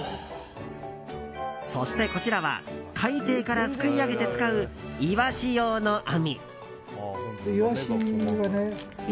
そしてこちらは、海底からすくい上げて使うイワシ用の網。